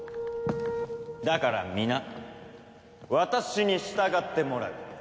だから皆私に従ってもらう。